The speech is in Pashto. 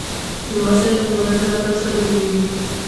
لمسی له کورني ادب سره لویېږي